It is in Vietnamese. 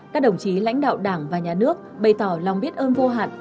các đồng chí lãnh đạo đảng và nhà nước bày tỏ lòng biết ơn vô hạn